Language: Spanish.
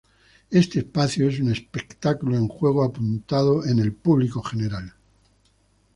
Este espacio es un espectáculo de juego apuntado en el público general.